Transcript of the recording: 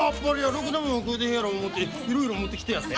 ろくなもん食うてへんやろ思うていろいろ持ってきてやったんや。